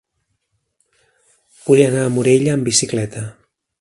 Vull anar a Morella amb bicicleta.